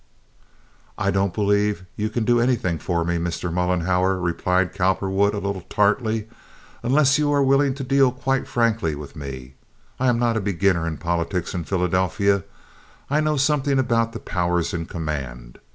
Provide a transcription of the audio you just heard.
"I don't believe you can do anything for me, Mr. Mollenhauer," replied Cowperwood, a little tartly, "unless you are willing to deal quite frankly with me. I am not a beginner in politics in Philadelphia. I know something about the powers in command.